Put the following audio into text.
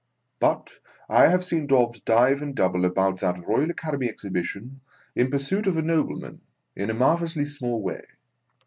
But, I have seen Dobbs dive and double about that Royal Academy Exhibition, in pursuit of a nobleman, in a marvellously small way.